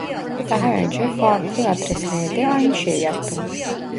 Daha önce farklı adreslerde aynı şeyi yaptım